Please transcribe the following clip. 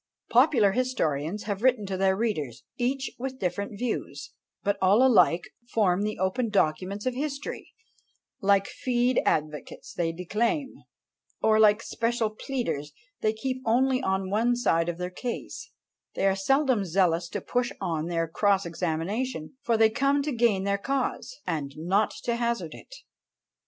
Popular historians have written to their readers; each with different views, but all alike form the open documents of history; like feed advocates, they declaim, or like special pleaders, they keep only on one side of their case: they are seldom zealous to push on their cross examination; for they come to gain their cause, and not to hazard it!